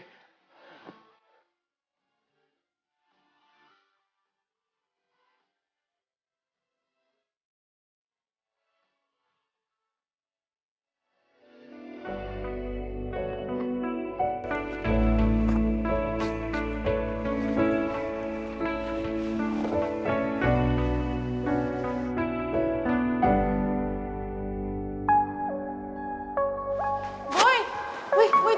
gue tolongin bukan bilang makasih malah nyebelin